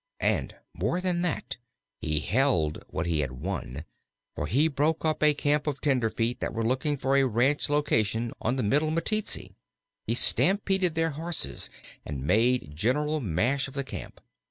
And, more than that, he held what he had won, for he broke up a camp of tenderfeet that were looking for a ranch location on the Middle Meteetsee; he stampeded their horses, and made general smash of the camp.